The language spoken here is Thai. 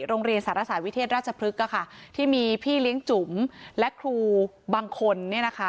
โรงเรียนสารศาสตวิเทศราชพฤกษ์ที่มีพี่เลี้ยงจุ๋มและครูบางคนเนี่ยนะคะ